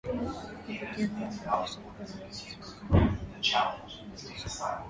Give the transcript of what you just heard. kufika Mapadri wa Shirika la Yesu wakaanza kuhubiri na kufundisha